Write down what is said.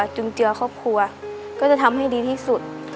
จุนเจือครอบครัวก็จะทำให้ดีที่สุด